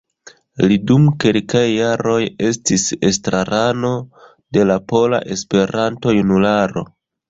Li dum kelkaj jaroj estis estrarano de la Pola Esperanto-Junularo.